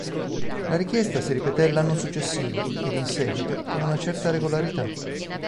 La richiesta si ripeté l'anno successivo, ed in seguito con una certa regolarità.